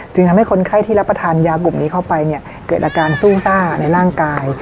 ทำให้คนไข้ที่รับประทานยากลุ่มนี้เข้าไปเนี่ยเกิดอาการซู่ซ่าในร่างกาย